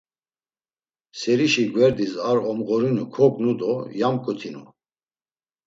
Serişi gverdis ar omğorinu kognu do yamǩutinu.